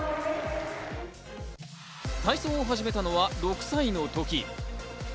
体操を始めたのは６歳の時。